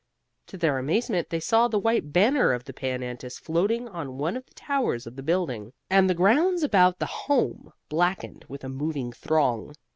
To their amazement, they saw the white banner of the Pan Antis floating on one of the towers of the building, and the grounds about the Home blackened with a moving throng.